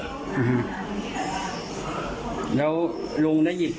พี่ยืดลายมาพอก็ถูกแล้วก็ถูกแล้วก็ถูก